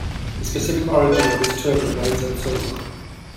The specific origin of this term remains uncertain.